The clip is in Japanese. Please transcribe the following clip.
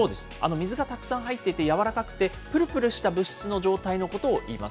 水がたくさん入ってて、柔らかくてぷるぷるした物質の状態のことをいいます。